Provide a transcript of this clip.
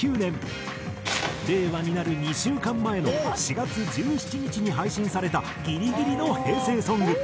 令和になる２週間前の４月１７日に配信されたギリギリの平成ソング。